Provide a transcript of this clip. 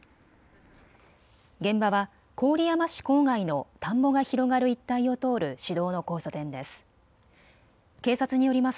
現場は郡山市郊外の田んぼが広がる一帯を通る市道の交差点です。